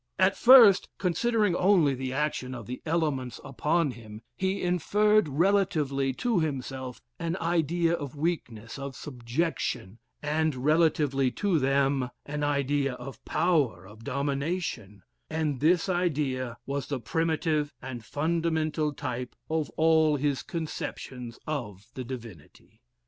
"At first, considering only the action of the elements upon him, he inferred relatively to himself, an idea of weakness, of subjection, and relatively to them, an idea of power, of domination; and this idea was the primitive and fundamental type of all his conceptions of the divinity.